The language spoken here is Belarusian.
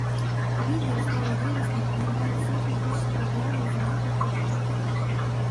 Відэа стала вірусным і набрала сотні тысяч праглядаў за некалькі дзён.